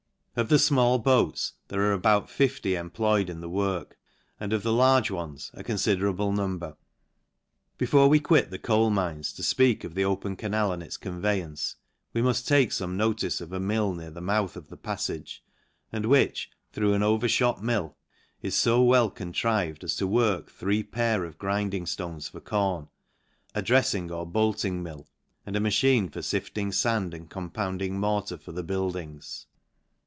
Of the fmall boats there are about fifty employed in the work, and of the large ones a confiderabie number. Before we quit the coa! mines, tofpeakofthe open canal and its conveyance, we muft take fome notice of a mill near the mouth of the paffage, and which, though an overfhot mill, is fo well contrived as to work three pair of grinding ftones for corn, a drefiing or bolting mill, and a machine for fifting fand and compounding mortar for the buildings